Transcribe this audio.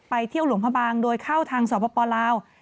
เที่ยวหลวงพระบางโดยเข้าทางสปลาว